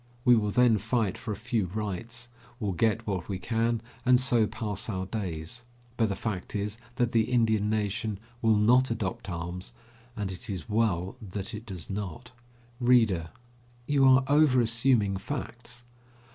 We will then fight for a few rights, will get what we can and so pass our days. But the fact is that the Indian nation will not adopt arms, and it is well that it does not. READER: You are overassuming facts.